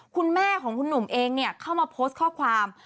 คุณแม่ของคุณหนุ่มเองเข้ามาโพสต์ข้อความ